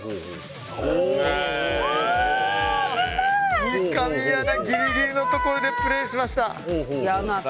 三上アナ、ギリギリのところでプレーしました。